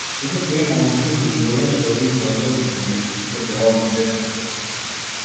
Сите тие моменти и доживувања тој ги изразува преку уметничките дела на сестрите.